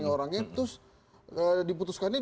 orangnya terus diputuskannya